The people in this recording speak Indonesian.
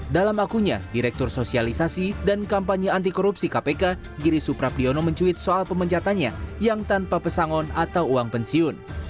dalam akunya direktur sosialisasi dan kampanye anti korupsi kpk giri suprapdiono mencuit soal pemenjatannya yang tanpa pesangon atau uang pensiun